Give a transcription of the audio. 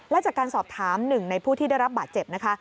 และจากการสอบถามหนึ่งในผู้ที่ได้รับบาดเจ็บนะคะ